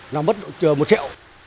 nó mất một triệu